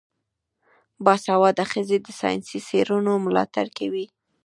باسواده ښځې د ساینسي څیړنو ملاتړ کوي.